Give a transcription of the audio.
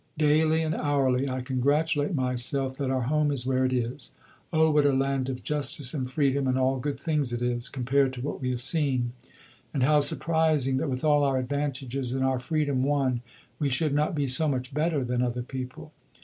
Daily and hourly I congratulate myself that our home is where it is. Oh what a land of justice and freedom and all good things it is, compared to what we have seen, and how surprising that with all our advantages and our freedom won we should not be so much better than other people.